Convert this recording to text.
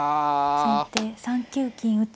先手３九金打。